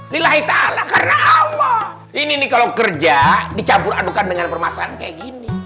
lillahi ta'ala karena allah ini kalau kerja dicampur adukan dengan permasalahan kayak gini